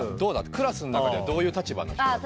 クラスの中ではどういう立場の人だったの？